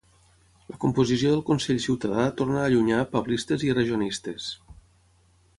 La composició del consell ciutadà torna a allunyar ‘pablistes’ i ‘errejonistes’.